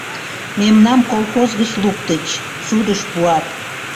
Мемнам колхоз гыч луктыч, судыш пуат.